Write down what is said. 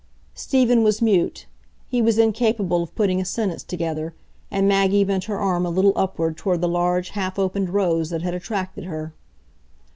Stephen was mute; he was incapable of putting a sentence together, and Maggie bent her arm a little upward toward the large half opened rose that had attracted her.